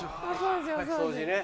掃除ね。